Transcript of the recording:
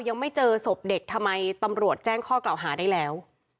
ยังไม่เจอศพเด็กทำไมตำรวจแจ้งข้อกล่าวหาได้แล้ว